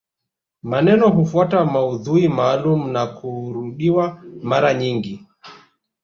Maneno hufuata maudhui maalumu na hurudiwa mara nyingi